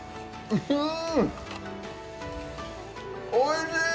うん！